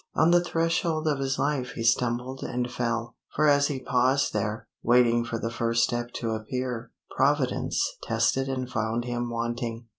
On the threshold of his life he stumbled and fell; for as he paused there, waiting for the first step to appear, Providence tested and found him wanting.